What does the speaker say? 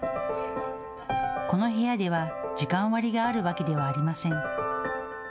この部屋では時間割があるわけではありません。